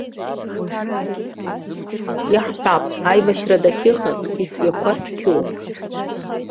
Иаҳҳәап, аибашьра дахьыҟаз иҵҩақәа цқьоуп.